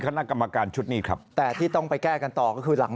คณะกรรมการชุดนี้ครับแต่ที่ต้องไปแก้กันต่อก็คือหลัง